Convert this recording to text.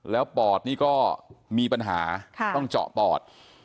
แล้วปอดนี่ก็มีปัญหาต้องเจาะปอด